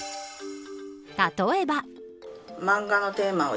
例えば。